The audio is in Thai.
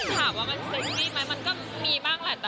ถามว่ามันซึ้งมีดไหมมันก็มีบ้างแหละ